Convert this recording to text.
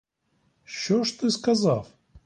Що ж ти сказав?